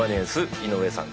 井上さん